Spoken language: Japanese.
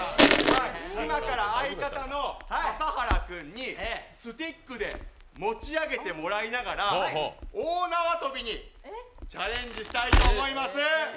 今から相方のかさはら君にスティックで持ち上げてもらいながら大縄跳びにチャレンジしたいと思います。